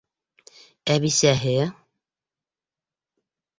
Ә бисәһе...